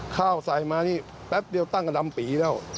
ข้าวใส่มานี่แป๊บเดียวตั้งกระดำปีแล้ว